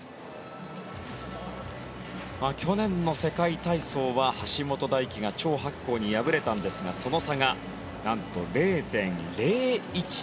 去年の世界体操は橋本がチョウ・ハクコウに敗れたんですがその差がなんと０．０１７。